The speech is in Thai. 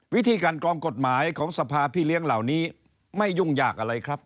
วิธีการกรองกฎหมายของสภาพี่เลี้ยงเหล่านี้ไม่ยุ่งยากอะไรครับ